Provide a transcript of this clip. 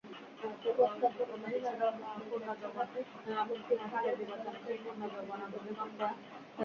প্রস্তাব অনুযায়ী, নারায়ণগঞ্জের মেঘনাঘাটে মোট তিন হাজার মেগাওয়াটের বিদ্যুৎকেন্দ্র করবে কোম্পানিটি।